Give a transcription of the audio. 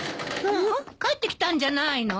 ・帰ってきたんじゃないの。